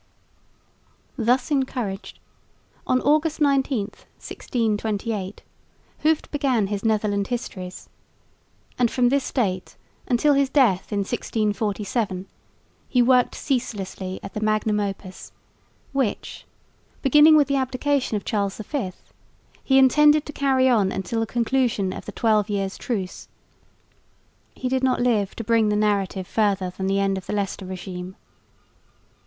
Thus encouraged, on August 19, 1628, Hooft began his Netherland Histories, and from this date until his death in 1647 he worked ceaselessly at the magnum opus, which, beginning with the abdication of Charles V, he intended to carry on until the conclusion of the Twelve Years' Truce. He did not live to bring the narrative further than the end of the Leicester régime.